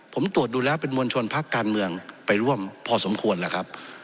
ผมตรวจดูแล้วเป็นมวลชนพักการเมืองไปร่วมพอสมควรแล้วครับ